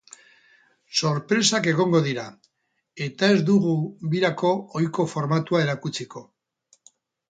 Sorpresak egongo dira, eta ez dugu birako ohiko formatua erakutsiko.